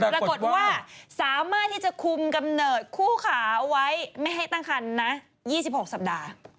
ปรากฏว่าสามารถที่จะคุมกำเนิดคู่ขาเอาไว้ไม่ให้ตั้งคันนะ๒๖สัปดาห์